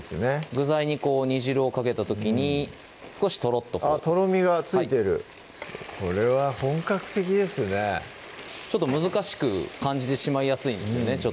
具材に煮汁をかけた時に少しとろっととろみがついてるこれは本格的ですねちょっと難しく感じてしまいやすいんですよね